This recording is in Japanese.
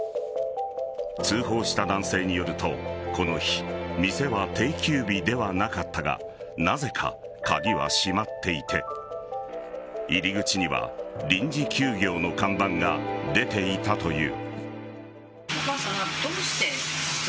通報した男性によると、この日店は定休日ではなかったがなぜか鍵は閉まっていて入り口には臨時休業の看板が出ていたという。